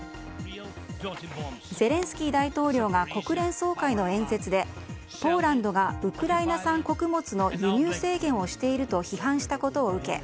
ゼレンスキー大統領が国連総会の演説でポーランドがウクライナ産穀物の輸入制限をしていると批判したことを受け